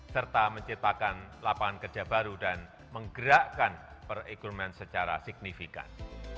serta menciptakan lapangan kerja baru dan menggerakkan perekonomian secara signifikan